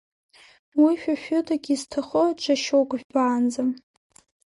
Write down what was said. Уи шәа шәыдагь изҭаххо, ҽа шьоук жәбаанӡа…